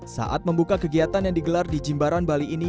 saat membuka kegiatan yang digelar di jimbaran bali ini